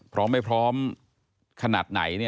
พร้อมไม่พร้อมขนาดไหน